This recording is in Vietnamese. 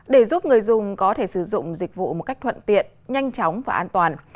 để giúp người dùng có thể sử dụng dịch vụ một cách thuận tiện nhanh chóng và an toàn